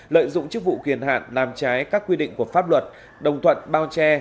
lợi dụng chức vụ quyền hạn làm trái các quy định của pháp luật đồng thuận bao che